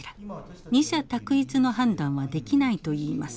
二者択一の判断はできないといいます。